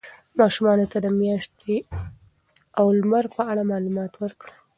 ماشومانو ته د میاشتې او لمر په اړه معلومات ورکړئ.